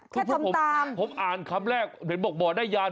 แค่ทำตามผมอ่านคำแรกเดี๋ยวบอกบ่อได้ยาน